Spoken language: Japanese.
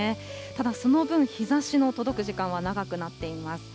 ただ、その分、日ざしの届く時間は長くなっています。